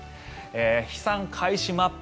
飛散開始マップ。